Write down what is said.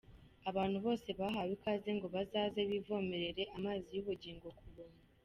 Abantu bose bahawe ikaze ngo bazaze bivomerere amazi y’ubugingo ku buntu.